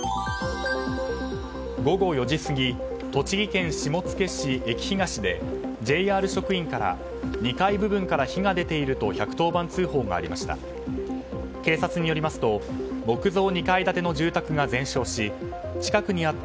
午後４時過ぎ栃木県下野市駅東でＪＲ職員から２階部分から火が出ていると１１０番通報がありました。